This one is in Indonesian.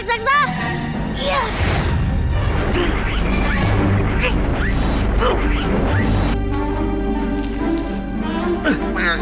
rasakan ini raksasa